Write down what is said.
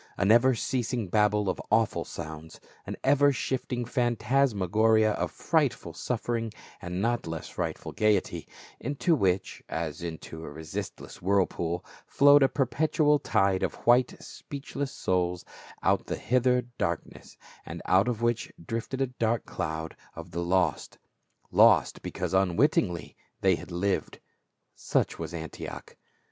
A never ceasing babble of awful sounds, an ever shifting phantasmagoria of frightful suffering and not less frightful, gayety, into which as into a resistless whirlpool flowed a perpetual tide of white speechless souls from out the hither dark ness, and out of which drifted a dark cloud of the lost — lost because unwittingly they had lived ; such was Antioch.